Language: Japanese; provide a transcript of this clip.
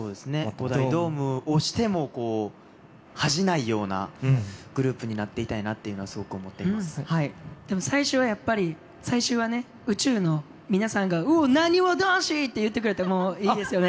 ５大ドームをしても恥じないようなグループになっていたいなってでも最終はやっぱり、最終はね、宇宙の皆さんが、うおー、なにわ男子って言ってくれたらもう、いいですよね。